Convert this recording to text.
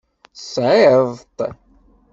Tesɛiḍ-t.